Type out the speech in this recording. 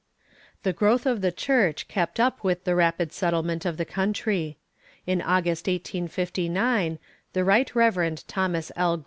The growth of the church kept up with the rapid settlement of the country. In August, 1859, the Right Reverend Thomas L.